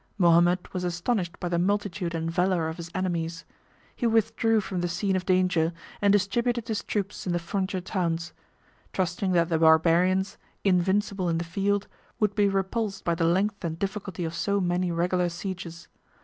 Mohammed was astonished by the multitude and valor of his enemies: he withdrew from the scene of danger, and distributed his troops in the frontier towns; trusting that the Barbarians, invincible in the field, would be repulsed by the length and difficulty of so many regular sieges.